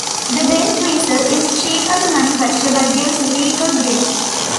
The bent tweezer is cheaper to manufacture, but gives weaker grip.